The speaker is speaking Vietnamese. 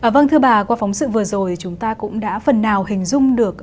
vâng thưa bà qua phóng sự vừa rồi chúng ta cũng đã phần nào hình dung được